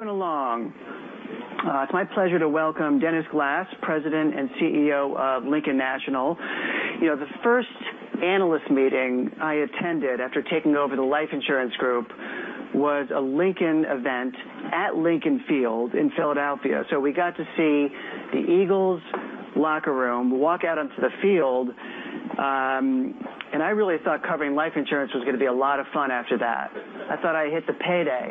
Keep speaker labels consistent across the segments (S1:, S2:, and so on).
S1: Going along. It is my pleasure to welcome Dennis Glass, President and CEO of Lincoln National. The first analyst meeting I attended after taking over the life insurance group was a Lincoln event at Lincoln Financial Field in Philadelphia. We got to see the Philadelphia Eagles' locker room, walk out onto the field, and I really thought covering life insurance was going to be a lot of fun after that. I thought I hit the payday.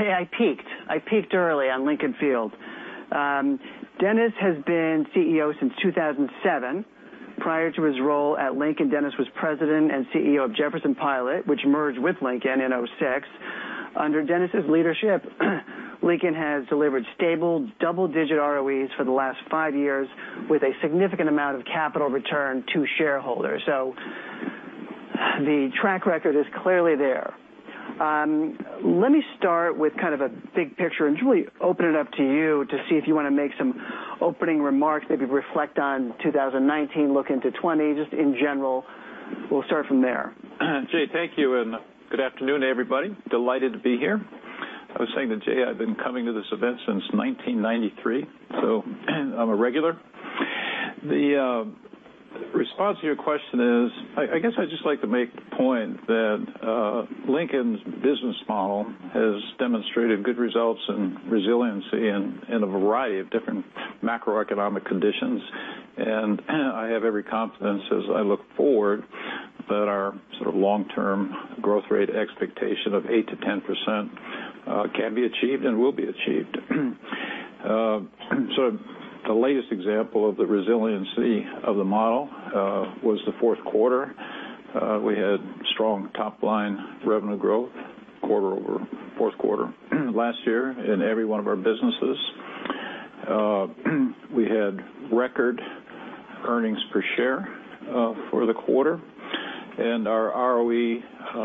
S1: I peaked early on Lincoln Financial Field. Dennis has been CEO since 2007. Prior to his role at Lincoln, Dennis was President and CEO of Jefferson Pilot, which merged with Lincoln in 2006. Under Dennis' leadership, Lincoln has delivered stable double-digit ROEs for the last five years with a significant amount of capital return to shareholders. The track record is clearly there. Let me start with kind of a big picture and just really open it up to you to see if you want to make some opening remarks, maybe reflect on 2019, look into 2020, just in general. We will start from there.
S2: Jay, thank you, and good afternoon, everybody. Delighted to be here. I was saying to Jay, I have been coming to this event since 1993, so I am a regular. The response to your question is, I guess I would just like to make the point that Lincoln's business model has demonstrated good results and resiliency in a variety of different macroeconomic conditions. I have every confidence as I look forward that our sort of long-term growth rate expectation of 8%-10% can be achieved and will be achieved. The latest example of the resiliency of the model was the fourth quarter. We had strong top-line revenue growth quarter over fourth quarter last year in every one of our businesses. We had record earnings per share for the quarter, and our ROE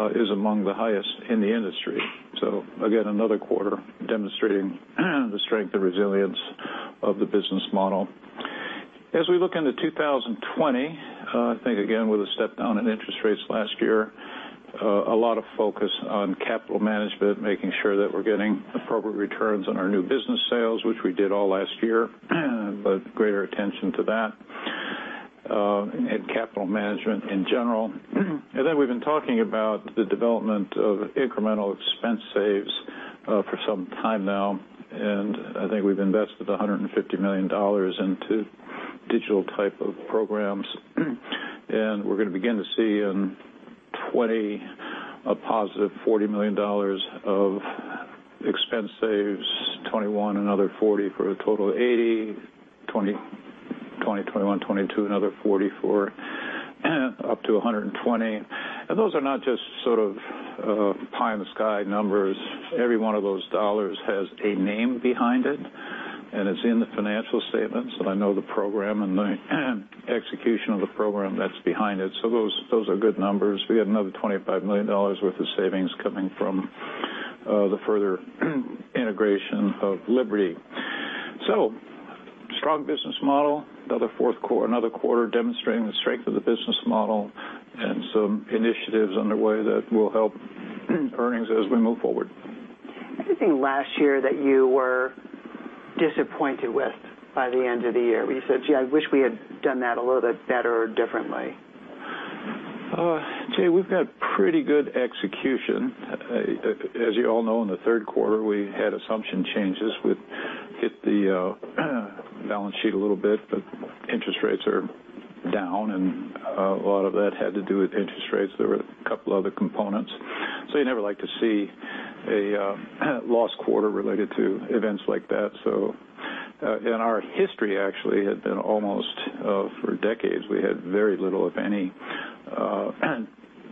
S2: is among the highest in the industry. Again, another quarter demonstrating the strength and resilience of the business model. As we look into 2020, I think, again, with a step down in interest rates last year, a lot of focus on capital management, making sure that we are getting appropriate returns on our new business sales, which we did all last year, but greater attention to that, and capital management in general. Then we have been talking about the development of incremental expense saves for some time now, and I think we have invested $150 million into digital type of programs. We are going to begin to see in 2020 a positive $40 million of expense saves, 2021, another $40 million for a total of $80 million, 2020, 2021, 2022, another $44 million, up to $120 million. Those are not just sort of pie in the sky numbers. Every one of those dollars has a name behind it, and it's in the financial statements, and I know the program and the execution of the program that's behind it. Those are good numbers. We had another $25 million worth of savings coming from the further integration of Liberty. Strong business model, another quarter demonstrating the strength of the business model and some initiatives underway that will help earnings as we move forward.
S1: Anything last year that you were disappointed with by the end of the year? Where you said, "Gee, I wish we had done that a little bit better or differently.
S2: Jay, we've got pretty good execution. As you all know, in the third quarter, we had assumption changes with the balance sheet a little bit, but interest rates are down, and a lot of that had to do with interest rates. There were a couple other components. You never like to see a lost quarter related to events like that. In our history, actually, had been almost for decades, we had very little, if any,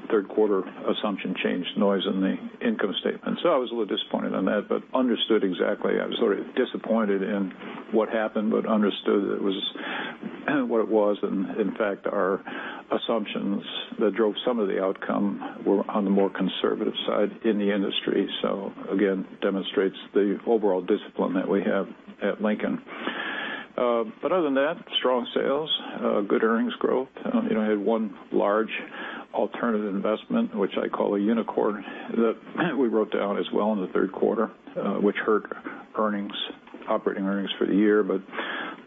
S2: third quarter assumption change noise in the income statement. I was a little disappointed on that, but understood exactly. I was sort of disappointed in what happened but understood that it was what it was. In fact, our assumptions that drove some of the outcome were on the more conservative side in the industry. Again, demonstrates the overall discipline that we have at Lincoln. Other than that, strong sales, good earnings growth. I had one large alternative investment, which I call a unicorn, that we wrote down as well in the third quarter, which hurt operating earnings for the year.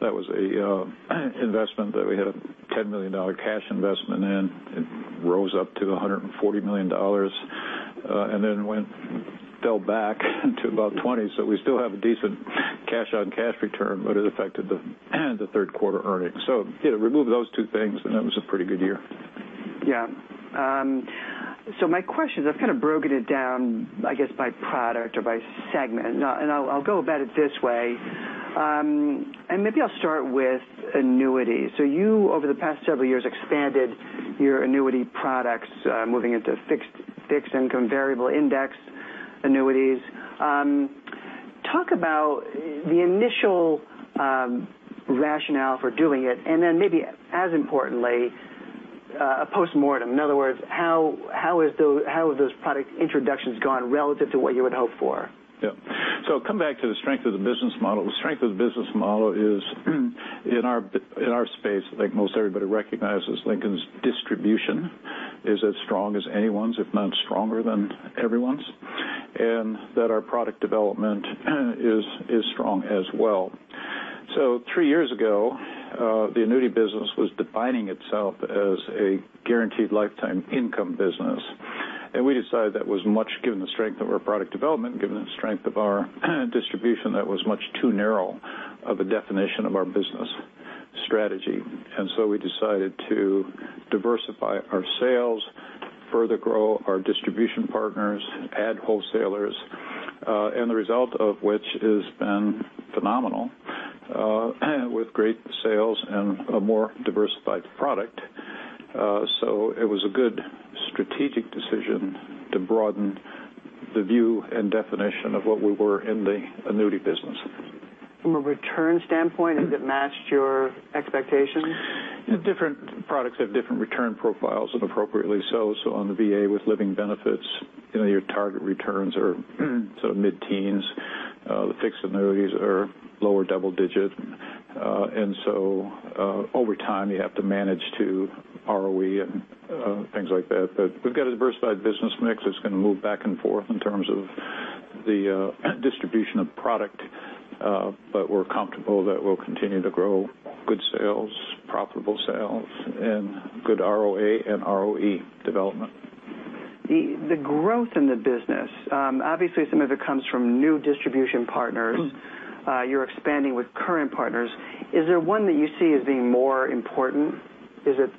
S2: That was a investment that we had a $10 million cash investment in. It rose up to $140 million, and then fell back to about 20. We still have a decent cash-on-cash return, but it affected the third quarter earnings. Remove those two things, and that was a pretty good year.
S1: My question is, I've kind of broken it down, I guess, by product or by segment. I'll go about it this way, and maybe I'll start with annuities. You, over the past several years, expanded your annuity products, moving into fixed income variable index annuities. Talk about the initial rationale for doing it, and then maybe as importantly, a postmortem. In other words, how have those product introductions gone relative to what you had hoped for?
S2: Yeah. Come back to the strength of the business model. The strength of the business model is in our space, I think most everybody recognizes Lincoln's distribution is as strong as anyone's, if not stronger than everyone's, and that our product development is strong as well. Three years ago, the annuity business was defining itself as a guaranteed lifetime income business. We decided that was much, given the strength of our product development, given the strength of our distribution, that was much too narrow of a definition of our business strategy. We decided to diversify our sales, further grow our distribution partners, add wholesalers, and the result of which has been phenomenal with great sales and a more diversified product. It was a good strategic decision to broaden the view and definition of what we were in the annuity business.
S1: From a return standpoint, has it matched your expectations?
S2: Different products have different return profiles and appropriately so. On the VA with living benefits, your target returns are sort of mid-teens. The fixed annuities are lower double digit. Over time, you have to manage to ROE and things like that. We've got a diversified business mix that's going to move back and forth in terms of the distribution of product. We're comfortable that we'll continue to grow good sales, profitable sales, and good ROA and ROE development.
S1: The growth in the business, obviously some of it comes from new distribution partners. You're expanding with current partners. Is there one that you see as being more important? Is it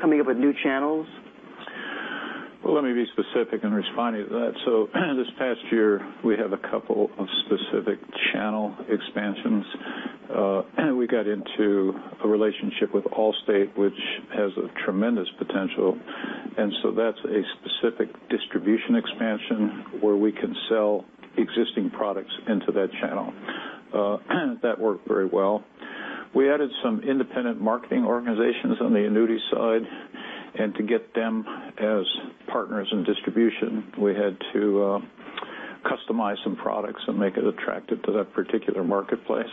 S1: coming up with new channels?
S2: Well, let me be specific in responding to that. This past year, we have a couple of specific channel expansions. We got into a relationship with Allstate, which has a tremendous potential, that's a specific distribution expansion where we can sell existing products into that channel. That worked very well. We added some independent marketing organizations on the annuity side, and to get them as partners in distribution, we had to customize some products and make it attractive to that particular marketplace.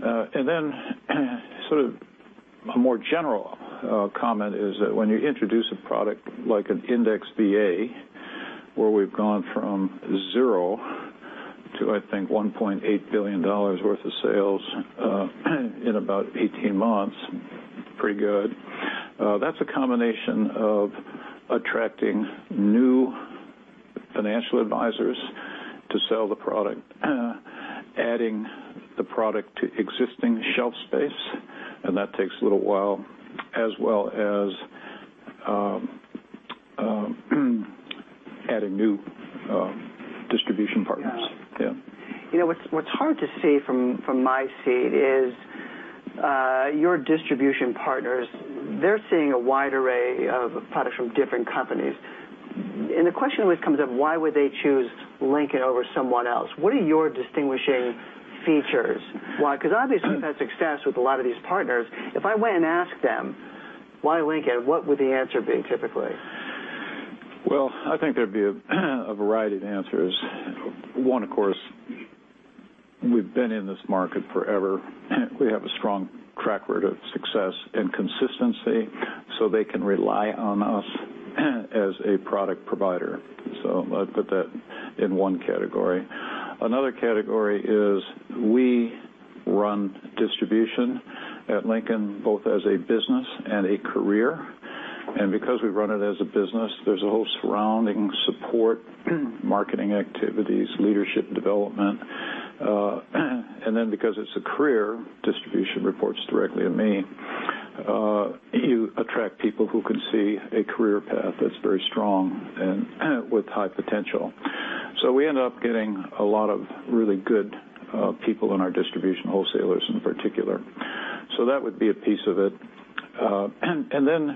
S2: Then, sort of a more general comment is that when you introduce a product like an index VA, where we've gone from zero to, I think, $1.8 billion worth of sales in about 18 months, pretty good. That's a combination of attracting new financial advisors to sell the product, adding the product to existing shelf space, and that takes a little while, as well as adding new distribution partners. Yeah.
S1: What's hard to see from my seat is your distribution partners, they're seeing a wide array of products from different companies. The question always comes up, why would they choose Lincoln over someone else? What are your distinguishing features? Why? Because obviously you've had success with a lot of these partners. If I went and asked them, "Why Lincoln?" What would the answer be, typically?
S2: Well, I think there'd be a variety of answers. One, of course, we've been in this market forever. We have a strong track record of success and consistency, so they can rely on us as a product provider. I'd put that in one category. Another category is we run distribution at Lincoln both as a business and a career. Because we run it as a business, there's a whole surrounding support, marketing activities, leadership development. Because it's a career, distribution reports directly to me, you attract people who can see a career path that's very strong and with high potential. We end up getting a lot of really good people in our distribution wholesalers in particular. That would be a piece of it.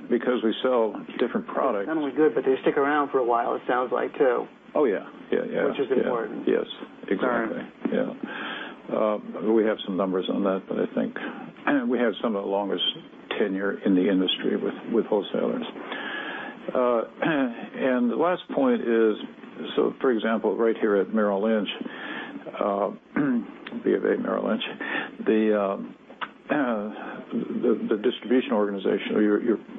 S2: Because we sell different products-
S1: Not only good, but they stick around for a while, it sounds like, too.
S2: Oh, yeah.
S1: Which is important.
S2: Yes, exactly.
S1: All right.
S2: Yeah. We have some numbers on that, but I think we have some of the longest tenure in the industry with wholesalers. The last point is, for example, right here at Merrill Lynch, B of A Merrill Lynch, the distribution organization or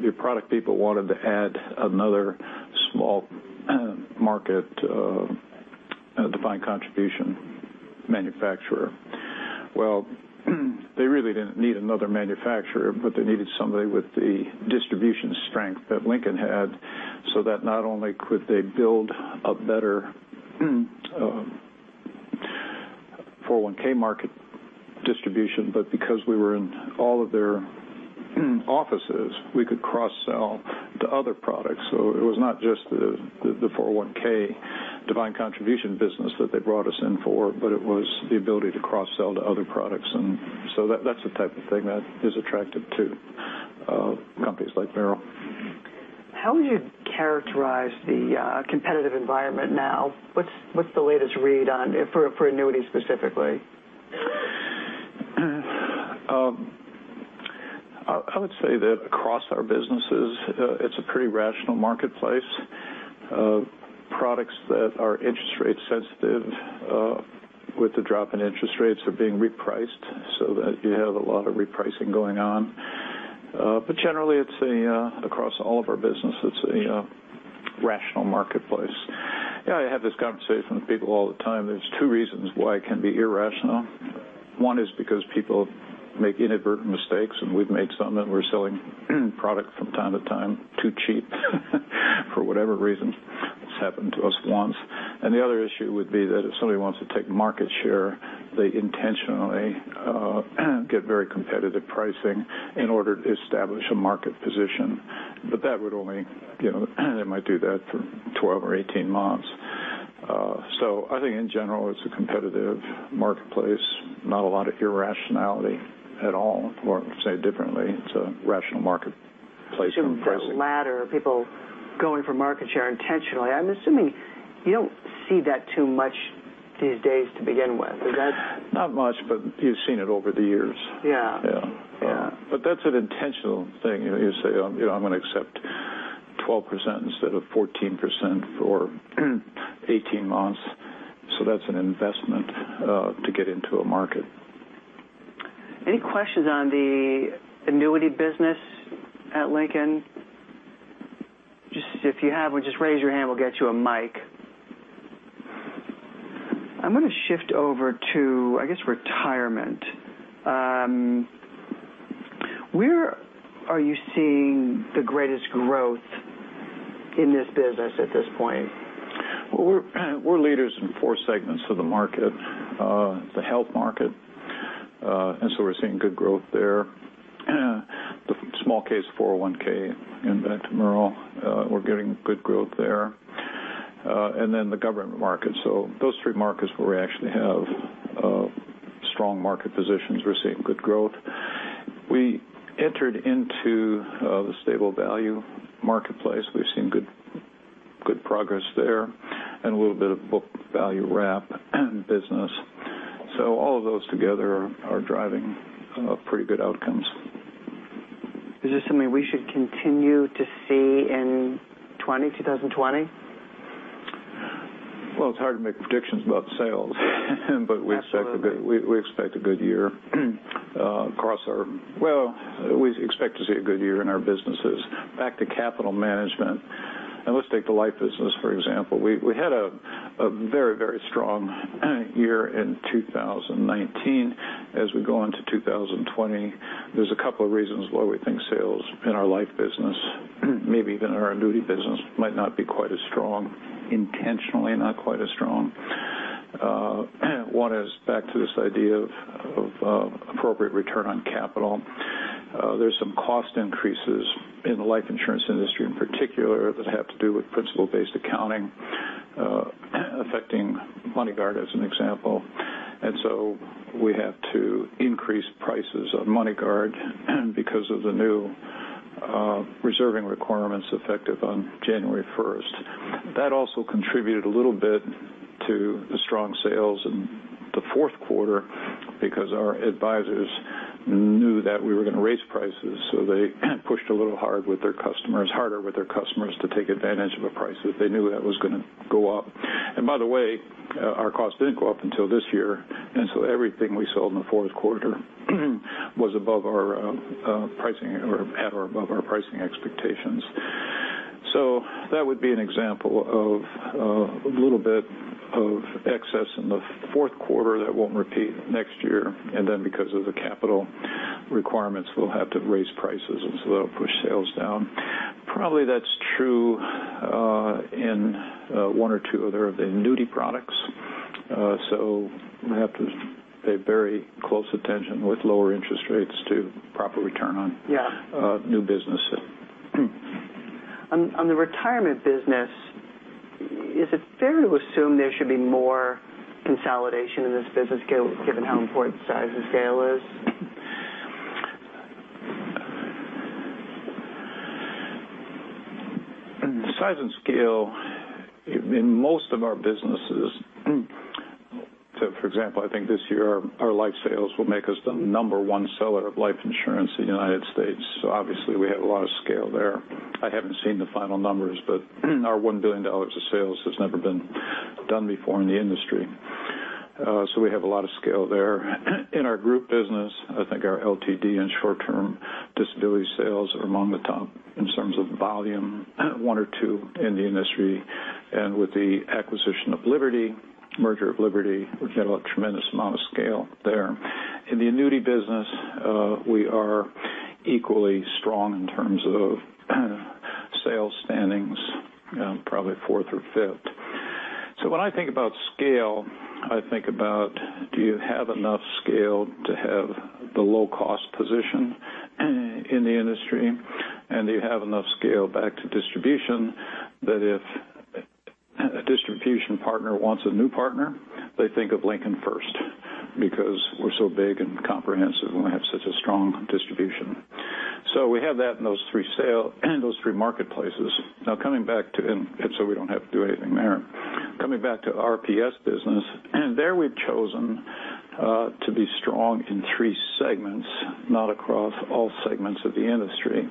S2: your product people wanted to add another small market defined contribution manufacturer. Well, they really didn't need another manufacturer, but they needed somebody with the distribution strength that Lincoln had, so that not only could they build a better 401 market distribution, but because we were in all of their offices, we could cross-sell to other products. It was not just the 401 defined contribution business that they brought us in for, but it was the ability to cross-sell to other products. That's the type of thing that is attractive to companies like Merrill.
S1: How would you characterize the competitive environment now? What's the latest read on it for annuities specifically?
S2: I would say that across our businesses, it's a pretty rational marketplace. Products that are interest rate sensitive with the drop in interest rates are being repriced so that you have a lot of repricing going on. Generally, across all of our business, it's a rational marketplace. I have this conversation with people all the time. There's two reasons why it can be irrational. One is because people make inadvertent mistakes, and we've made some, and we're selling products from time to time too cheap for whatever reason. It's happened to us once. The other issue would be that if somebody wants to take market share, they intentionally get very competitive pricing in order to establish a market position. They might do that for 12 or 18 months. I think in general, it's a competitive marketplace. Not a lot of irrationality at all, or to say it differently, it's a rational marketplace.
S1: Assuming for that latter, people going for market share intentionally. I'm assuming you don't see that too much these days to begin with. Is that?
S2: Not much, but you've seen it over the years.
S1: Yeah.
S2: That's an intentional thing. You say, "I'm going to accept 12% instead of 14% for 18 months." That's an investment to get into a market.
S1: Any questions on the annuity business at Lincoln? If you have one, just raise your hand, we'll get you a mic. I'm going to shift over to, I guess, retirement. Where are you seeing the greatest growth in this business at this point?
S2: Well, we're leaders in four segments of the market. The health market, we're seeing good growth there. The small case 401(k), Invent Tomorrow, we're getting good growth there. The government market. Those three markets where we actually have strong market positions, we're seeing good growth. We entered into the stable value marketplace. We've seen good progress there and a little bit of book value wrap business. All of those together are driving pretty good outcomes.
S1: Is this something we should continue to see in 2020?
S2: it's hard to make predictions about sales.
S1: Absolutely.
S2: We expect to see a good year in our businesses. Back to capital management, let's take the life business, for example. We had a very strong year in 2019. As we go into 2020, there's a couple of reasons why we think sales in our life business, maybe even our annuity business, might not be quite as strong. Intentionally not quite as strong. One is back to this idea of appropriate return on capital. There's some cost increases in the life insurance industry in particular that have to do with principle-based reserving, affecting MoneyGuard, as an example. We have to increase prices of MoneyGuard because of the new reserving requirements effective on January 1st. That also contributed a little bit to the strong sales in the fourth quarter because our advisors knew that we were going to raise prices, they pushed a little harder with their customers to take advantage of a price that they knew that was going to go up. By the way, our costs didn't go up until this year, everything we sold in the fourth quarter was above our pricing or at or above our pricing expectations. That would be an example of a little bit of excess in the fourth quarter that won't repeat next year. Because of the capital requirements, we'll have to raise prices, that'll push sales down. Probably that's true in one or two other of the annuity products. We have to pay very close attention with lower interest rates to proper return on-
S1: Yeah
S2: new business.
S1: On the retirement business, is it fair to assume there should be more consolidation in this business scale, given how important size and scale is?
S2: Size and scale in most of our businesses, for example, I think this year our life sales will make us the number one seller of life insurance in the United States. Obviously we have a lot of scale there. I haven't seen the final numbers, but our $1 billion of sales has never been done before in the industry. We have a lot of scale there. In our group business, I think our LTD and short-term disability sales are among the top in terms of volume, one or two in the industry. With the acquisition of Liberty, merger of Liberty, we have a tremendous amount of scale there. In the annuity business, we are equally strong in terms of sales standings, probably fourth or fifth. When I think about scale, I think about do you have enough scale to have the low-cost position in the industry? Do you have enough scale back to distribution that if a distribution partner wants a new partner, they think of Lincoln first because we're so big and comprehensive, and we have such a strong distribution. We have that in those three marketplaces. We don't have to do anything there. Coming back to our RPS business, there we've chosen to be strong in three segments, not across all segments of the industry.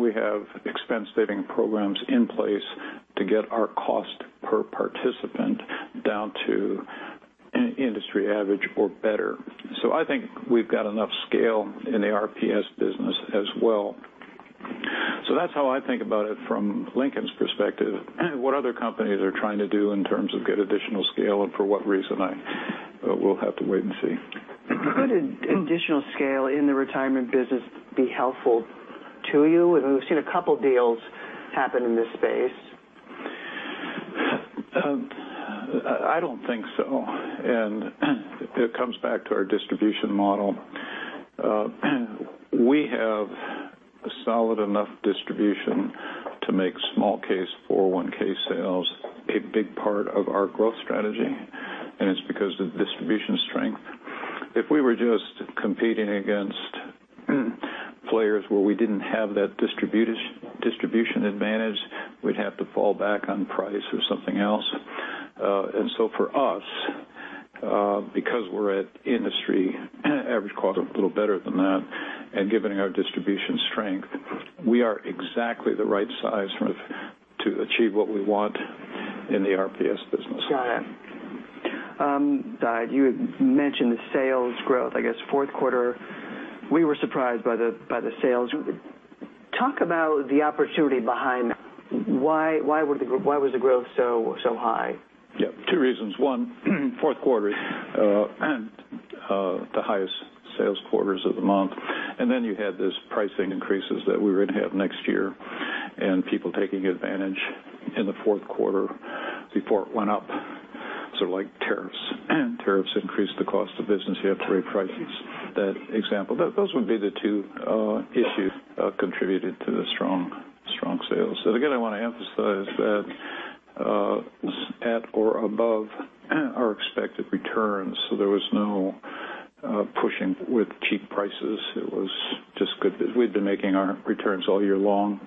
S2: We have expense saving programs in place to get our cost per participant down to industry average or better. I think we've got enough scale in the RPS business as well. That's how I think about it from Lincoln's perspective. What other companies are trying to do in terms of get additional scale and for what reason, we'll have to wait and see.
S1: Could additional scale in the retirement business be helpful to you? We've seen a couple deals happen in this space.
S2: It comes back to our distribution model. We have a solid enough distribution to make small case 401 sales a big part of our growth strategy. It's because of distribution strength. If we were just competing against players where we didn't have that distribution advantage, we'd have to fall back on price or something else. For us, because we're at industry average cost, a little better than that, and given our distribution strength, we are exactly the right size to achieve what we want in the RPS business.
S1: Got it. You had mentioned the sales growth, I guess, fourth quarter, we were surprised by the sales. Talk about the opportunity behind why was the growth so high?
S2: Yeah. Two reasons. One, fourth quarter, the highest sales quarters of the month. You had this pricing increases that we were going to have next year and people taking advantage in the fourth quarter before it went up. Like tariffs. Tariffs increase the cost of business, you have to raise prices. That example. Those would be the two issues contributed to the strong sales. Again, I want to emphasize that at or above our expected returns, so there was no pushing with cheap prices. We'd been making our returns all year long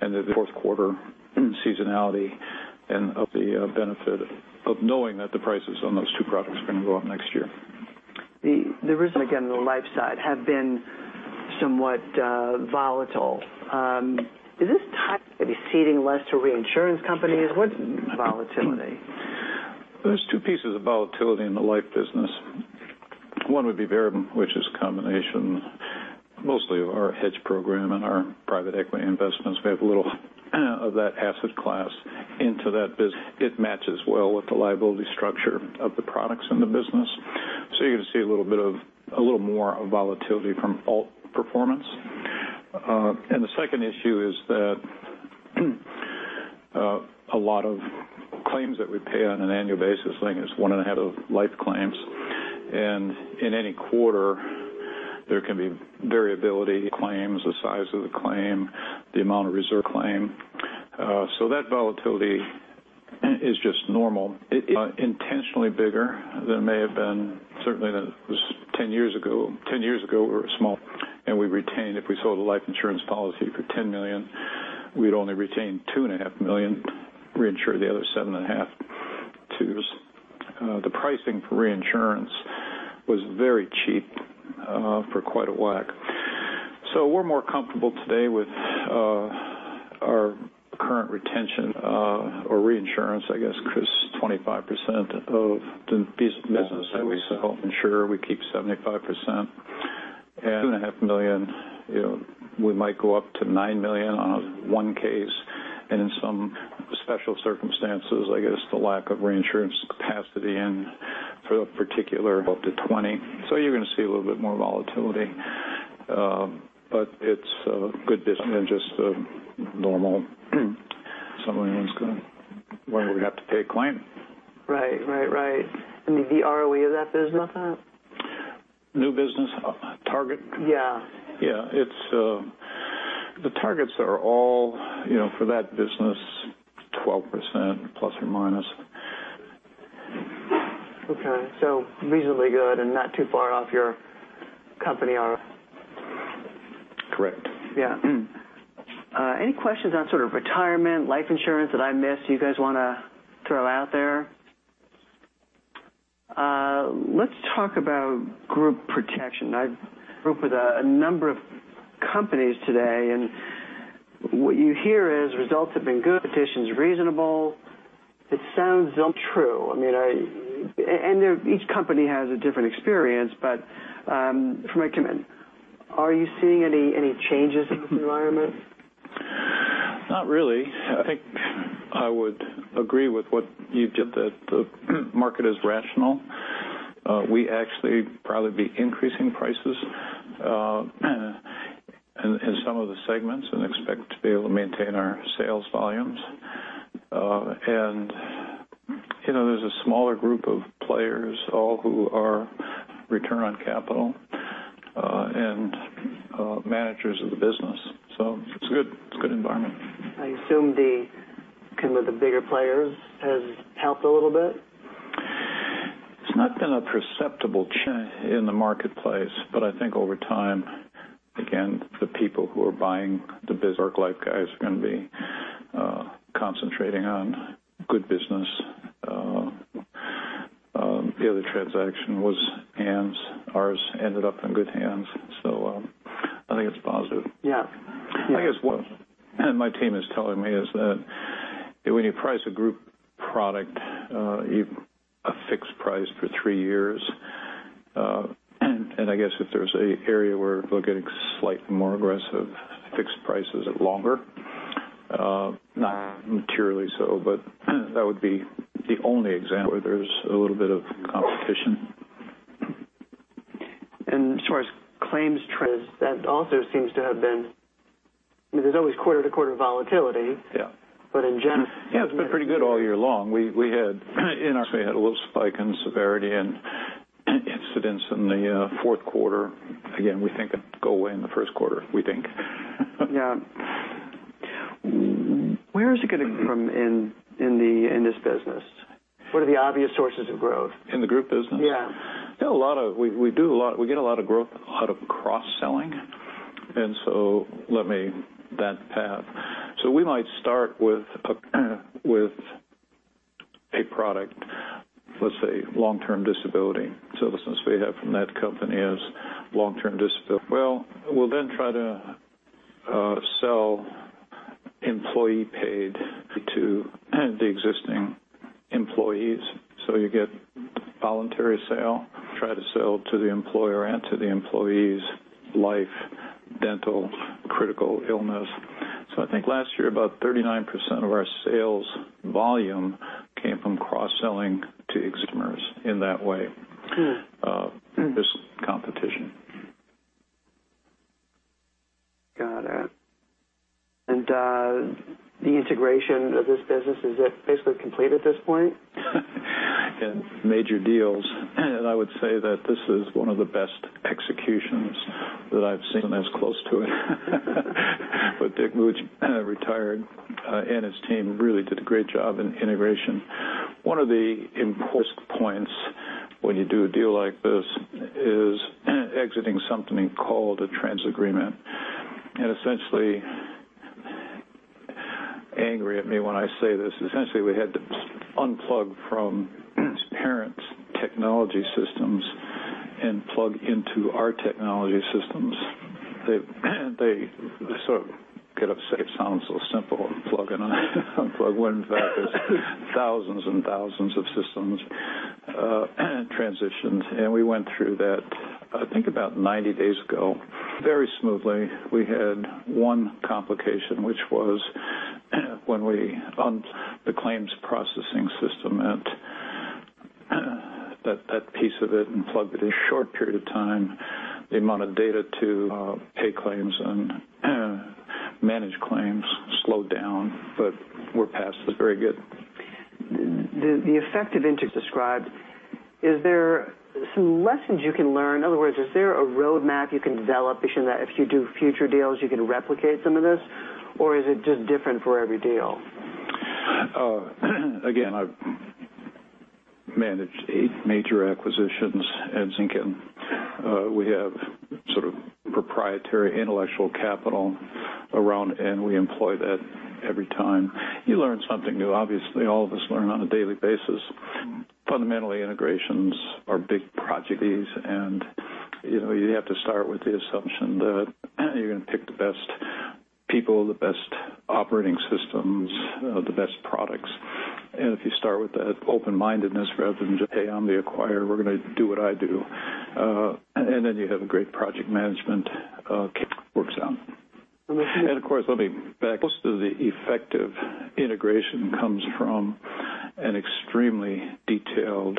S2: and the fourth quarter seasonality and of the benefit of knowing that the prices on those two products are going to go up next year.
S1: The reason, again, the life side had been somewhat volatile. Is this time maybe ceding less to reinsurance companies? What's volatility?
S2: There's two pieces of volatility in the life business. One would be variable, which is a combination mostly of our hedge program and our private equity investments. We have a little of that asset class into that business. It matches well with the liability structure of the products in the business. You're going to see a little more volatility from alt performance. The second issue is that a lot of claims that we pay on an annual basis, I think it's 1.5 of life claims, and in any quarter there can be variability claims, the size of the claim, the amount of reserve claim. That volatility is just normal. It intentionally bigger than it may have been certainly than it was 10 years ago. 10 years ago, we were small, and we retained, if we sold a life insurance policy for $10 million, we'd only retain $2.5 million, reinsure the other $7.5 million. The pricing for reinsurance was very cheap for quite a while. We're more comfortable today with our current retention or reinsurance, I guess, because 25% of the piece of business that we sell insure, we keep 75%, and $2.5 million we might go up to $9 million on one case. In some special circumstances, I guess the lack of reinsurance capacity in for the particular, up to 20. You're going to see a little bit more volatility. It's a good business than just a normal someone's going to when we have to pay a claim.
S1: Right. The ROE of that business then?
S2: New business target?
S1: Yeah.
S2: Yeah. The targets are all for that business, 12% ±.
S1: Okay. Reasonably good and not too far off your company ROE.
S2: Correct.
S1: Yeah. Any questions on sort of Retirement, life insurance that I missed you guys want to throw out there? Let's talk about group protection. I spoke with a number of companies today, what you hear is results have been good, competition's reasonable. It sounds true. Each company has a different experience, from my comment, are you seeing any changes in this environment?
S2: Not really. I think I would agree with what you said, that the market is rational. We actually probably be increasing prices in some of the segments and expect to be able to maintain our sales volumes. There's a smaller group of players, all who are return on capital and managers of the business. It's a good environment.
S1: I assume the kind of the bigger players has helped a little bit.
S2: It's not been a perceptible change in the marketplace. I think over time, again, the people who are buying the business, our life guys are going to be concentrating on good business. The other transaction was hands. Ours ended up in good hands. I think it's positive.
S1: Yeah.
S2: I guess what my team is telling me is that when you price a group product, a fixed price for three years. I guess if there's an area where they'll get slightly more aggressive fixed prices longer, not materially so, that would be the only example where there's a little bit of competition.
S1: As far as claims trends, that also seems to have been. I mean, there's always quarter-to-quarter volatility.
S2: Yeah.
S1: In general.
S2: Yeah, it's been pretty good all year long. We had a little spike in severity and incidents in the fourth quarter. Again, we think it'll go away in the first quarter, we think.
S1: Yeah. Where is it going to come in this business? What are the obvious sources of growth?
S2: In the group business?
S1: Yeah.
S2: We get a lot of growth out of cross-selling, let me that path. We might start with a product, let's say, long-term disability. The sense we have from that company is long-term disability. We'll then try to sell employee-paid to the existing employees, you get voluntary sale, try to sell to the employer and to the employees life, dental, critical illness. I think last year about 39% of our sales volume came from cross-selling to customers in that way. This competition.
S1: Got it. The integration of this business, is it basically complete at this point?
S2: Major deals, I would say that this is one of the best executions that I've seen that's close to it. Dick Mauk, retired, and his team really did a great job in integration. One of the important points when you do a deal like this is exiting something called a trans agreement, essentially, angry at me when I say this. We had to unplug from its parent technology systems and plug into our technology systems. They sort of get upset. It sounds so simple, plug in and unplug, when in fact it's thousands and thousands of systems transitioned. We went through that, I think about 90 days ago, very smoothly. We had one complication, which was when we were on the claims processing system, that piece of it, and plugged it for a short period of time, the amount of data to pay claims and manage claims slowed down. We're past this. Very good.
S1: The effect of into described, is there some lessons you can learn? In other words, is there a roadmap you can develop, assuming that if you do future deals, you can replicate some of this? Or is it just different for every deal?
S2: Again, I've managed eight major acquisitions at Lincoln. We have sort of proprietary intellectual capital around. We employ that every time. You learn something new. Obviously, all of us learn on a daily basis. Fundamentally, integrations are big projects. You have to start with the assumption that you're going to pick the best people, the best operating systems, the best products. If you start with that open-mindedness rather than just, "Hey, I'm the acquirer, we're going to do what I do," you have a great project management, it works out. Of course, let me back. Most of the effective integration comes from an extremely detailed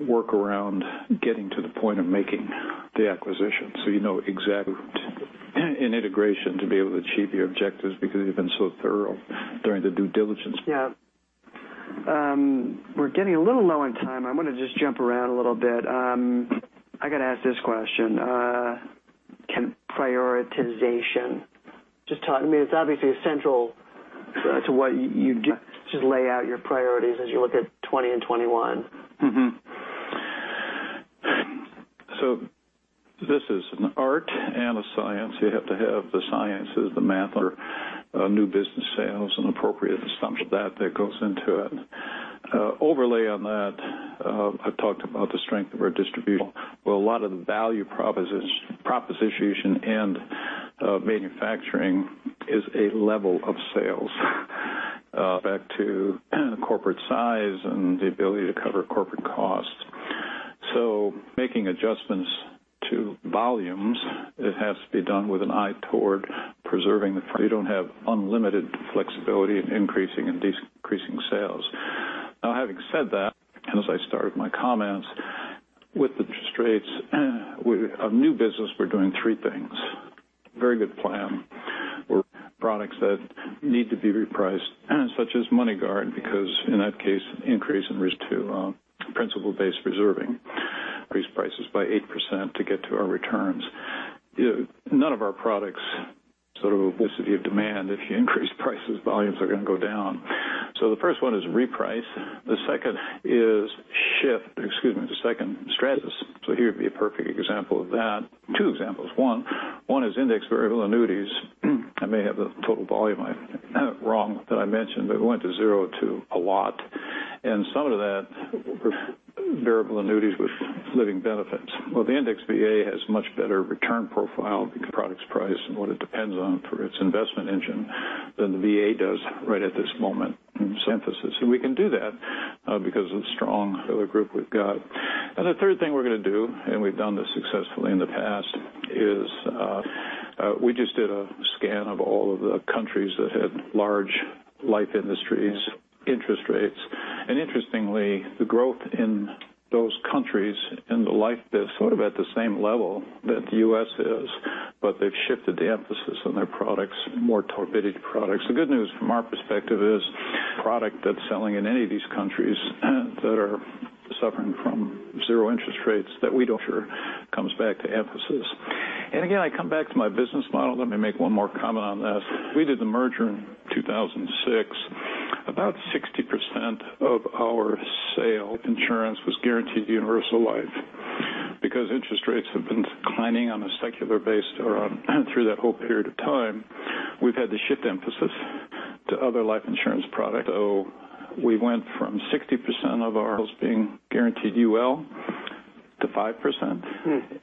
S2: work around getting to the point of making the acquisition. You know exactly in integration to be able to achieve your objectives because you've been so thorough during the due diligence.
S1: Yeah. We're getting a little low on time. I want to just jump around a little bit. I got to ask this question. Can prioritization, I mean, it's obviously central to what you do. Just lay out your priorities as you look at 2020 and 2021.
S2: This is an art and a science. You have to have the sciences, the math, or new business sales, and appropriate assumption that goes into it. Overlay on that, I talked about the strength of our distribution. A lot of the value proposition and manufacturing is a level of sales. Back to corporate size and the ability to cover corporate costs. Making adjustments to volumes, it has to be done with an eye toward preserving. You don't have unlimited flexibility in increasing and decreasing sales. Having said that, and as I started my comments with the interest rates, with a new business, we're doing three things. Very good plan. We're products that need to be repriced, such as MoneyGuard, because in that case, increase in risk to principle-based reserving. Increase prices by 8% to get to our returns. None of our products, sort of elasticity of demand, if you increase prices, volumes are going to go down. The first one is reprice. The second is shift. Excuse me, the second, Stratus. Here would be a perfect example of that. Two examples. One is indexed variable annuities. I may have the total volume wrong that I mentioned, but it went to 0 to a lot. And some of that variable annuities with living benefits. The index VA has much better return profile because the product's price and what it depends on for its investment engine than the VA does right at this moment. Emphasis. We can do that because of the strong field force we've got. The third thing we're going to do, and we've done this successfully in the past, is we just did a scan of all of the countries that had large life industries, interest rates. Interestingly, the growth in those countries in the life is sort of at the same level that the U.S. is, but they've shifted the emphasis on their products, more annuity products. The good news from our perspective is product that's selling in any of these countries that are suffering from 0 interest rates that we don't sure comes back to emphasis. Again, I come back to my business model. Let me make one more comment on this. We did the merger in 2006. About 60% of our sale insurance was guaranteed universal life because interest rates have been declining on a secular base around through that whole period of time, we've had to shift emphasis to other life insurance products. We went from 60% of ours being guaranteed UL to 5%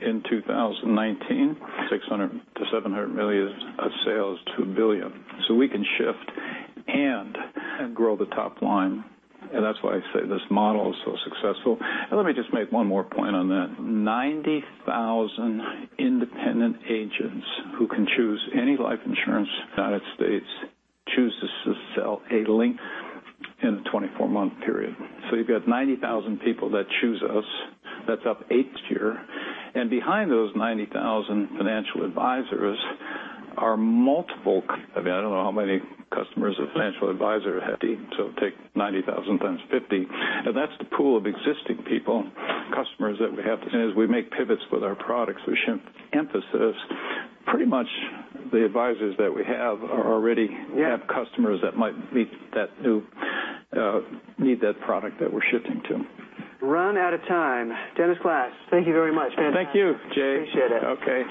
S2: in 2019, $600 million-$700 million of sales to $1 billion. We can shift and grow the top line, and that's why I say this model is so successful. Let me just make one more point on that. 90,000 independent agents who can choose any life insurance in the U.S. choose to sell Lincoln in a 24-month period. You've got 90,000 people that choose us. That's up eight this year. Behind those 90,000 financial advisors are I don't know how many customers a financial advisor have. Take 90,000 times 50, and that's the pool of existing people, customers that we have. As we make pivots with our products, we shift emphasis. Pretty much the advisors that we have are already have customers that might need that product that we're shifting to.
S1: Run out of time. Dennis Glass, thank you very much. Fantastic.
S2: Thank you, Jay.
S1: Appreciate it.
S2: Okay.